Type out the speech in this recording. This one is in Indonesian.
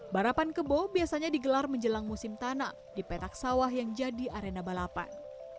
barapan kebo biasanya digelar menjelang musim tanam di petak sawah yang jadi arena balapan